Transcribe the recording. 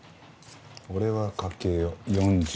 俺はかけよう。